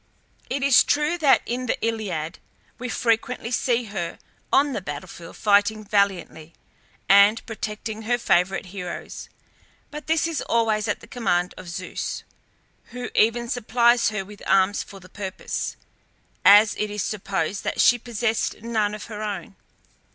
It is true that in the Iliad we frequently see her on the battlefield fighting valiantly, and protecting her favourite heroes; but this is always at the command of Zeus, who even supplies her with arms for the purpose, as it is supposed that she possessed none of her own.